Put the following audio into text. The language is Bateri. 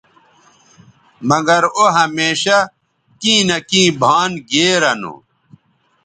مگر او ھمیشہ کیں نہ کیں بھان گیرہ نو